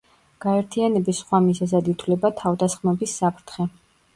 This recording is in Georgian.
გაერთიანების სხვა მიზეზად ითვლება თავდასხმების საფრთხე.